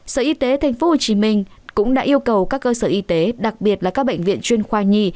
sở y tế tp hcm cũng đã yêu cầu các cơ sở y tế đặc biệt là các bệnh viện chuyên khoa nhi